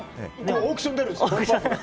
オークションでやるんですよ。